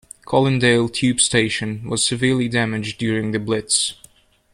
Colindale tube station was severely damaged during The Blitz.